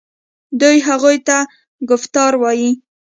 دوی هغوی ته کفتار وايي.